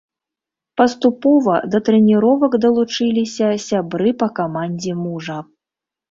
Паступова да трэніровак далучыліся сябры па камандзе мужа.